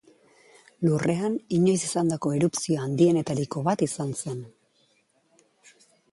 Lurrean inoiz izandako erupzio handienetariko bat izan zen.